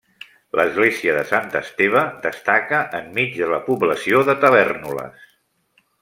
L'església de Sant Esteve destaca en mig de la població de Tavèrnoles.